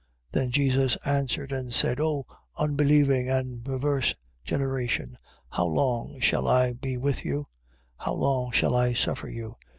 17:16. Then Jesus answered and said: O unbelieving and perverse generation, how long shall I be with you? How long shall I suffer you?